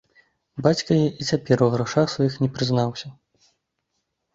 Бацька яе і цяпер у грашах сваіх не прызнаўся.